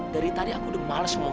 dari tadi aku udah males sama kamu